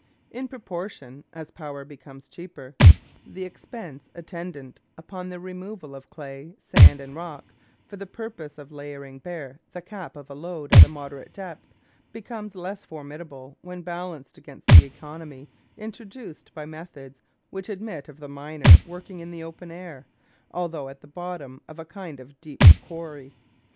In proportion as power becomes cheaper, the expense attendant upon the removal of clay, sand, and rock for the purpose of laying bare the cap of a lode at a moderate depth becomes less formidable when balanced against the economy introduced by methods which admit of the miner working in the open air, although at the bottom of a kind of deep quarry.